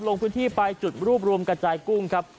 ลงพื้นที่ไปจุดรูปรวมกระจายกุ้งครับ